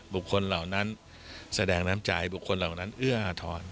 เหล่านั้นแสดงน้ำใจบุคคลเหล่านั้นเอื้ออาทร